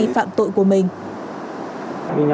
phạm tội của mình